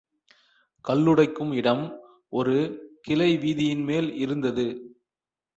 கல்லுடைக்கும் இடம் ஒரு கிளை வீதியின் மேல் இருந்தது.